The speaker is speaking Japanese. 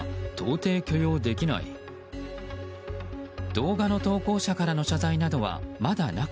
動画の投稿者からの謝罪などはまだなく